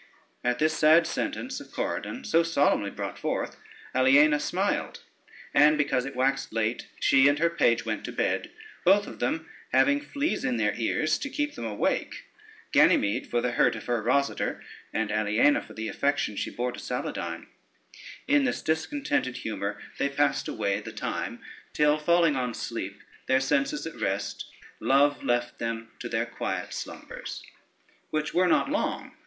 At this sad sentence of Corydon, so solemnly brought forth, Aliena smiled, and because it waxed late, she and her page went to bed, both of them having fleas in their ears to keep them awake; Ganymede for the hurt of her Rosader, and Aliena for the affection she bore to Saladyne. In this discontented humor they passed away the time, till falling on sleep, their senses at rest, Love left them to their quiet slumbers, which were not long.